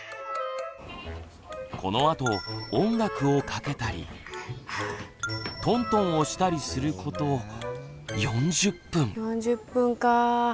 このあと音楽をかけたりトントンをしたりすること４０分か。